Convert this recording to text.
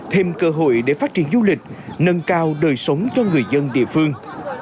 thêm cơ hội để phát triển du lịch nâng cao đời sống cho người dân địa phương